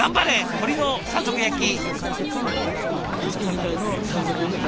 鶏の山賊焼き。